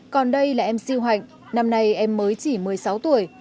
còn đây là em siêu hạnh năm nay em mới chỉ một mươi sáu tuổi